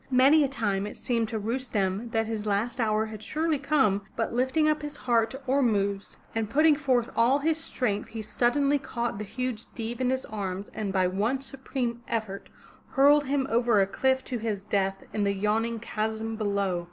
Many a time it seemed to Rustem that his last hour had surely come, but lifting up his heart to Ormuzd, and putting forth all his strength, he suddenly caught the huge Deev in his arms and by one supreme effort hurled him over a cliff to his death in the yawning chasm below.